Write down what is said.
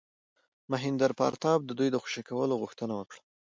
مهیندراپراتاپ د دوی د خوشي کولو غوښتنه وکړه.